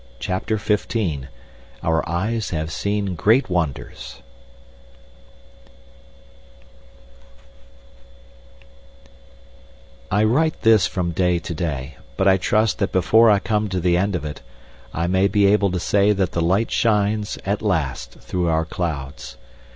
CHAPTER XV "Our Eyes have seen Great Wonders" I write this from day to day, but I trust that before I come to the end of it, I may be able to say that the light shines, at last, through our clouds.